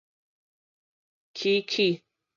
起去